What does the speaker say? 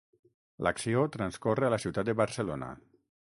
L'acció transcorre a la ciutat de Barcelona.